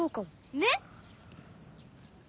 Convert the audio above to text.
ねっ！